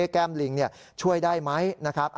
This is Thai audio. แก้มลิงช่วยได้ไหมนะครับ